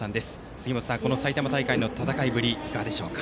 杉本さん、埼玉大会の戦いぶりいかがでしょうか？